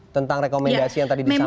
tentang rekomendasi yang tadi disampaikan